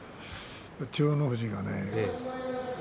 千代の富士がね